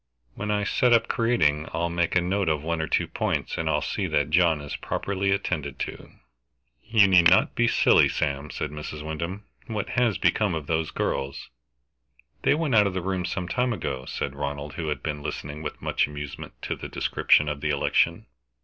When I set up creating I'll make a note of one or two points, and I'll see that John is properly attended to." "You need not be silly, Sam," said Mrs. Wyndham. "What has become of those girls?" "They went out of the room some time ago," said Ronald, who had been listening with much amusement to the description of the election.